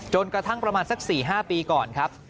กระทั่งประมาณสัก๔๕ปีก่อนครับ